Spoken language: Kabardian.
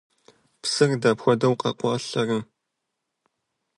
Псыр дапхуэдэу къэкъуалъэрэ?